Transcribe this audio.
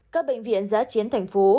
các bệnh viện giá chiến thành phố